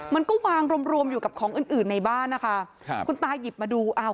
มันก็วางรวมรวมอยู่กับของอื่นอื่นในบ้านนะคะครับคุณตายิบมาดูอ้าว